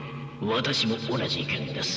私も同じ意見です。